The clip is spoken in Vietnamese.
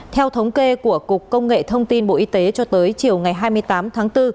theo thống kê của cục công nghệ thông tin bộ y tế cho tới chiều ngày hai mươi tám tháng bốn